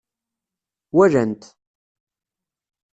Walan-t.